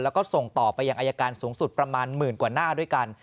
แล้วก็ส่งต่อไปยังอายการสูงสุดประมาณหมื่นกว่าหน้าด้วยกัน